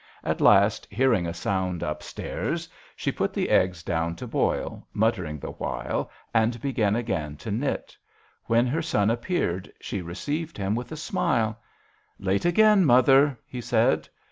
At last, 20 JOHN SHERMAN. hearing a sound upstairs, she put the eggs down to boil, muttering the while, and began again to knit. When her son appeared she received him with a smile. " Late again, mother," he said.